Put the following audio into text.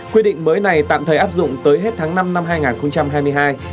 quy định mới này tạm thời áp dụng tới hết tháng năm năm hai nghìn hai mươi hai